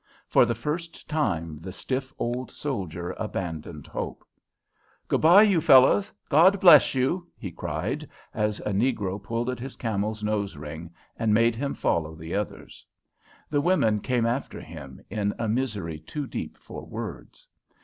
For the first time the stiff old soldier abandoned hope. "Good bye, you fellows! God bless you!" he cried, as a negro pulled at his camel's nose ring and made him follow the others. The women came after him, in a misery too deep for words.